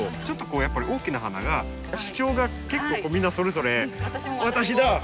ちょっとこうやっぱり大きな花が主張が結構みんなそれぞれ「私だ」